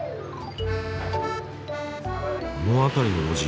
この辺りの路地